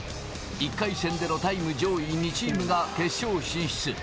１回戦でのタイム上位２チームが決勝進出。